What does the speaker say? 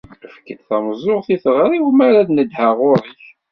Efk-d tameẓẓuɣt i tiɣri-w mi ara nedheɣ ɣur-k!